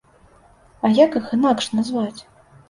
А як іх інакш назваць?